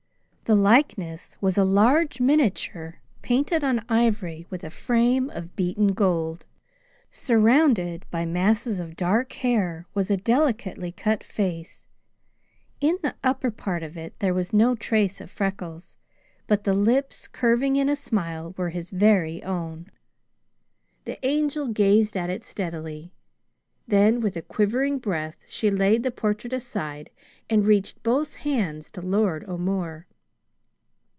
The likeness was a large miniature, painted on ivory, with a frame of beaten gold. Surrounded by masses of dark hair was a delicately cut face. In the upper part of it there was no trace of Freckles, but the lips curving in a smile were his very own. The Angel gazed at it steadily. Then with a quivering breath she laid the portrait aside and reached both hands to Lord O'More.